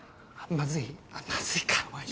まずいか。